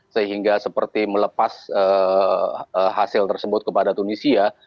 sehingga seperti melepas hasil tersebut kepada tunisia